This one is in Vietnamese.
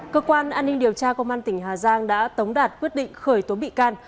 cơ quan an ninh điều tra công an tỉnh hà giang đã tống đạt quyết định khởi tố bị can